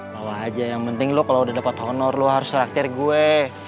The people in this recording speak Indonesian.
bawa aja yang penting lo kalo udah dapet honor lo harus reaktir gue